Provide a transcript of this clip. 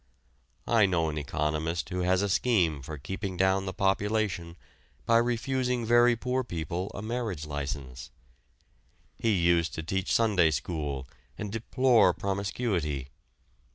I know an economist who has a scheme for keeping down the population by refusing very poor people a marriage license. He used to teach Sunday school and deplore promiscuity.